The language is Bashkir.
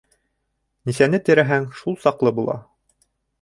- Нисәне терәһәң, шул саҡлы була.